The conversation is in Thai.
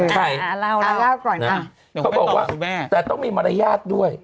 ใครอ่าเราอ่าเราอ่าเขาบอกว่าแต่ต้องมีมารยาทด้วย